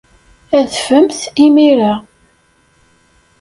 Adfemt imir-a.